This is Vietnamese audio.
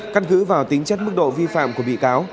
căn cứ vào tính chất mức độ vi phạm của bị cáo